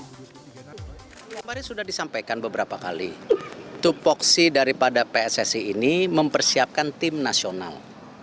yang tadi sudah disampaikan beberapa kali tupoksi daripada pssi ini mempersiapkan tim nasional